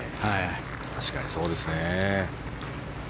確かにそうですね。